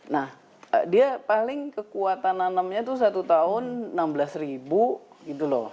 nah dia paling kekuatan nanamnya tuh satu tahun enam belas ribu gitu loh